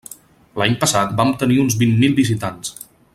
L'any passat vam tenir uns vint mil visitants.